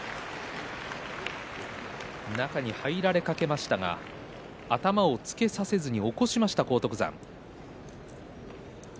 中に入られかけましたが頭をつけさせずに起こしました荒篤山。